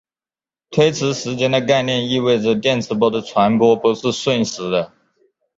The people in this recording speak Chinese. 推迟时间的概念意味着电磁波的传播不是瞬时的。